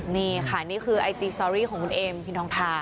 นี่ค่ะนี่คือไอจีสตอรี่ของคุณเอมพินทองทา